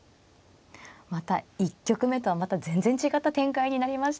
また１局目とは全然違った展開になりましたよね。